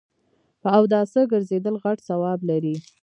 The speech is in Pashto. په اوداسه ګرځیدل غټ ثواب لري